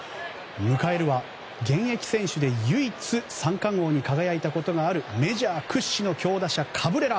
迎えるは現役選手で唯一３冠王に輝いたことがあるメジャー屈指の強打者カブレラ。